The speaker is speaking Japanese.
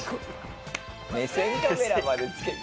目線カメラまでつけて。